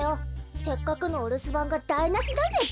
せっかくのお留守番がだいなしだぜベイビー！